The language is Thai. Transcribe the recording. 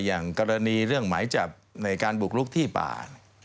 อย่างกรณีเรื่องหมายจับในการบุกลุกที่ป่า